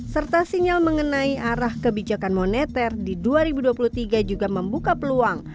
serta sinyal mengenai arah kebijakan moneter di dua ribu dua puluh tiga juga membuka peluang